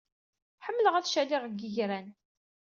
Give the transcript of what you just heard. Ḥemmleɣ ad caliɣ deg yigran.